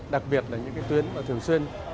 đặc biệt là những cái tuyến thường xuyên